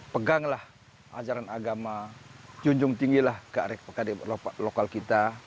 peganglah ajaran agama junjung tinggi lah kearifan lokal kita